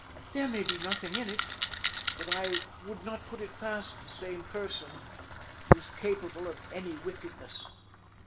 There may be nothing in it, but I would not put it past the same person, who is capable of any wickedness."